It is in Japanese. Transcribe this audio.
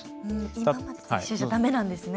今までと一緒じゃだめなんですね。